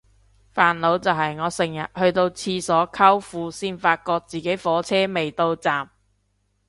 煩惱就係我成日去到廁所摳褲先發覺自己火車未到站